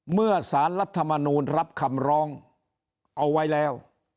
เมื่อสารรัฐมนูลรับคำร้องเอาไว้แล้ว